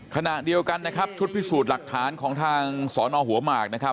ขณะเดียวกันนะครับชุดพิสูจน์หลักฐานของทางสอนอหัวหมากนะครับ